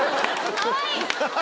かわいい。